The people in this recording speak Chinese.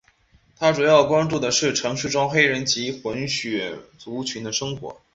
他主要关注的是城市中黑人及混血族群的生活。